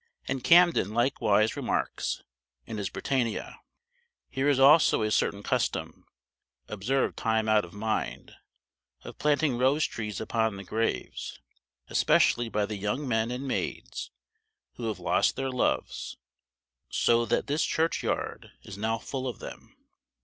And Camden likewise remarks, in his Britannia: "Here is also a certain custom, observed time out of mind, of planting rose trees upon the graves, especially by the young men and maids who have lost their loves; so that this churchyard is now full of them."